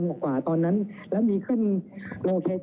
เรามีการปิดบันทึกจับกลุ่มเขาหรือหลังเกิดเหตุแล้วเนี่ย